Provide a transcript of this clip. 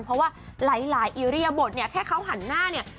เพราะว่าหลายอิริยบทเนี่ยแค่เขาหันหน้าเนี่ย